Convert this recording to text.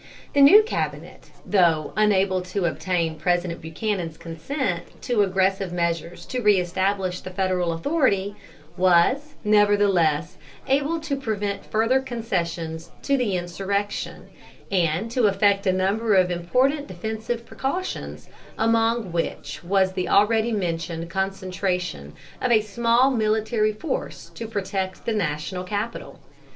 The new cabinet, though unable to obtain President Buchanan's consent to aggressive measures to reëstablish the Federal authority, was, nevertheless, able to prevent further concessions to the insurrection, and to effect a number of important defensive precautions, among which was the already mentioned concentration of a small military force to protect the national capital.